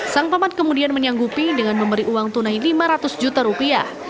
sang pemat kemudian menyanggupi dengan memberi uang tunai lima ratus juta rupiah